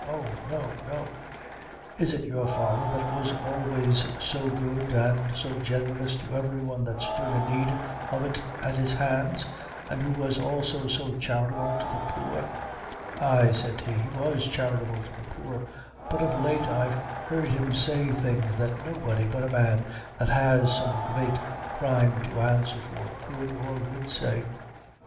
Oh, no, no is it your father that was always so good, an' so generous to every one that stood in need of it at his hands, an' who was also so charitable to the poor?" "Ay," said he, "he was charitable to the poor; but of late I've heard him say things that nobody but a man that has some great crime to answer for could or would say.